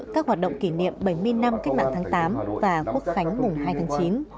các hoạt động kỷ niệm bảy mươi năm cách mạng tháng tám và quốc khánh mùng hai tháng chín